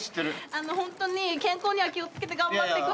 あのホントに健康には気を付けて頑張ってください。